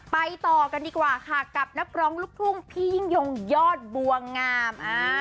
ต่อกันดีกว่าค่ะกับนักร้องลูกทุ่งพี่ยิ่งยงยอดบัวงาม